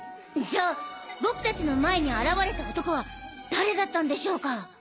じゃあ僕たちの前に現れた男は誰だったんでしょうか？